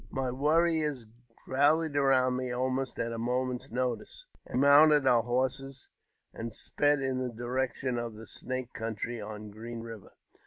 My warriors rallied around me almost at a moment' notice, and we mounted our horses and sped in the directio of the Snake country, on Green River.